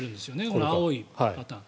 この青いパターン。